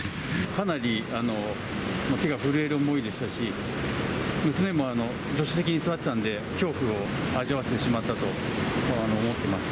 かなり手が震える思いでしたし、娘も助手席に座ってたんで、恐怖を味わわせてしまったと思ってます。